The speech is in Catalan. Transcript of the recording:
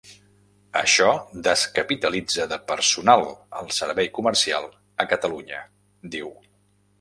“Això descapitalitza de personal el servei comercial a Catalunya”, diu.